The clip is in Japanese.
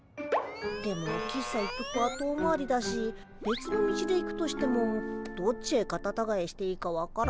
でも喫茶一服は遠回りだしべつの道で行くとしてもどっちへカタタガエしていいか分からないし。